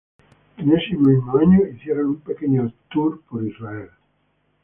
En ese mismo año hicieron un pequeño tour por Israel.